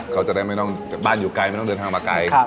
เขาจะได้ไม่ต้องบ้านอยู่ไกลไม่ต้องเดินทางมาไกล